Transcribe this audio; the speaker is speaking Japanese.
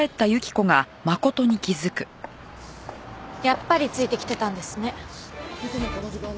やっぱりついてきてたんですね。